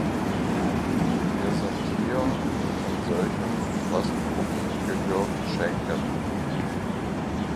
Wir sind hier, um solchen Interessengruppen Gehör zu schenken.